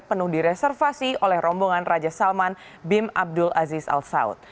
penuh direservasi oleh rombongan raja salman bim abdul aziz al saud